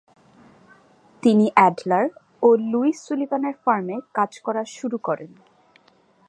তিনি অ্যাডলার ও Louis Sullivan এর ফার্মে কাজ করা শুরু করেন।